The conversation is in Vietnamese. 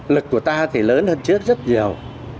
lực của ta thì lớn hơn trước rất nhiều